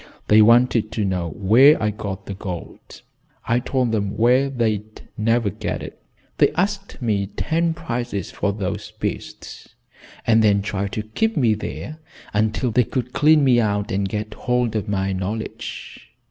They wanted to know where I got the gold. I told them where they'd never get it. They asked me ten prices for those beasts, and then tried to keep me there until they could clean me out and get hold of my knowledge.